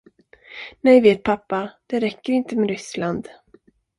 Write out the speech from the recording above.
Nej vet pappa, det räcker inte med Ryssland.